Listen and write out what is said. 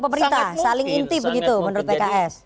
pemerintah saling inti begitu menurut pks